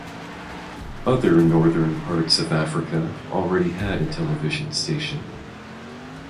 Other Northern parts of Africa already had a television station.